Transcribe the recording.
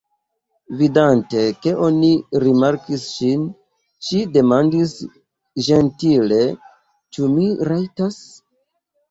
Vidante, ke oni rimarkis ŝin, ŝi demandis ĝentile: Ĉu mi rajtas?